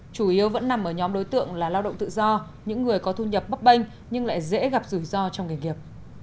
chủ yếu vẫn nằm ở nhóm đối tượng là lao động tự do những người có thu nhập bấp bênh nhưng lại dễ gặp rủi ro trong nghề nghiệp